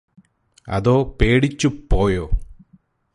അതോ പേടിച്ചുപ്പോയോ